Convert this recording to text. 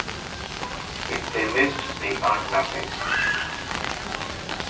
If they missed, they earned nothing.